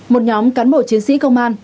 một nhóm cán bộ chiến sĩ công an